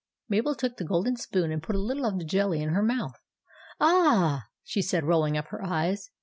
Mabel took the golden spoon, and put a little of the jelly in her mouth. " Ah h h !" she said, rolling up her eyes.